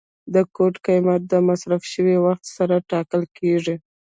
د کوټ قیمت په مصرف شوي وخت سره ټاکل کیږي.